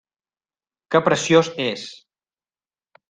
Que preciós és!